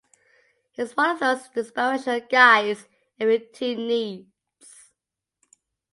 He was one of those inspirational guys every team needs.